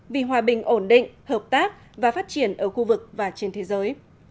vì hòa bình ổn định hợp tác và phát triển ở khu vực và trên thế giới